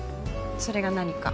それが何か？